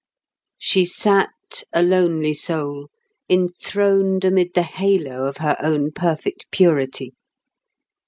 She sat, a lonely soul, enthroned amid the halo of her own perfect purity.